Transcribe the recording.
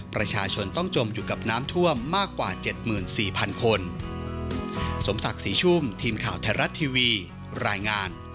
ประชาชนต้องจมอยู่กับน้ำท่วมมากกว่า๗๔๐๐๐คน